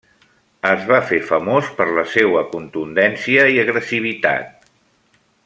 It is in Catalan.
Es va fer famós per la seua contundència i agressivitat.